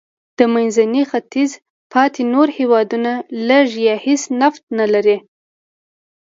د منځني ختیځ پاتې نور هېوادونه لږ یا هېڅ نفت نه لري.